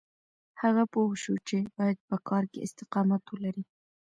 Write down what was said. هغه پوه شو چې بايد په کار کې استقامت ولري.